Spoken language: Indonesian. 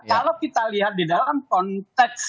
kalau kita lihat di dalam konteks